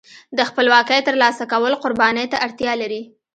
د خپلواکۍ ترلاسه کول قربانۍ ته اړتیا لري.